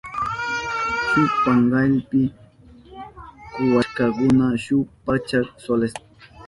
Shuk pankallapi kuwashkakuna shuk pachak solesta.